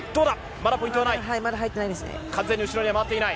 まだポイントはない。